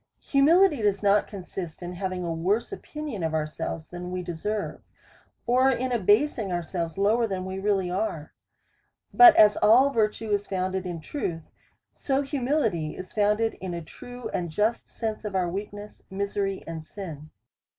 Humility does not consist in having a worse opinion of ourselves than we deserve, or in abasing ourselves lower than we really are. But as all virtue is found ed in truths so humility is founded in a true and just p 210 A SEKIOUS CALL TO A sense of our weakness, misery, and sin.